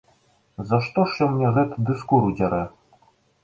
За што ж ён мне гэта ды скуру дзярэ?!